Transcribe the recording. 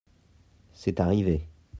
c'est arrivé.